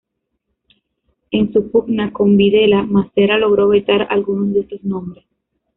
En su pugna con Videla, Massera logró vetar algunos de estos nombres.